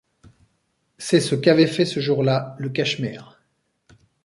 C’est ce qu’avait fait ce jour-là le Cashmere.